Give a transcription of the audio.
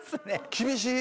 厳しい！